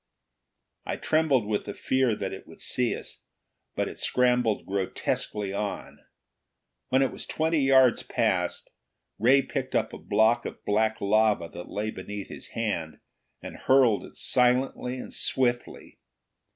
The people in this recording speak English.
I trembled with the fear that it would see us, but it scrambled grotesquely on. When it was twenty yards past, Ray picked up a block of black lava that lay beneath his hand and hurled it silently and swiftly.